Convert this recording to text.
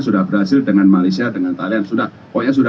sudah berhasil dengan malaysia dengan thailand